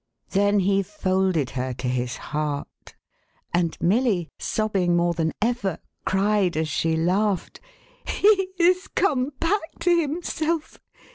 '" Then, he folded her to his heart ; and Milly, sobbing more than ever, cried, as she laughed, " He is come back to him self